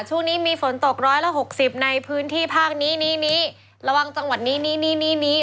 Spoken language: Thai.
ช่วงนี้มีฝนตกร้อยละหกสิบในพื้นที่ภาคนี้นี้ระวังจังหวัดนี้นี่นี้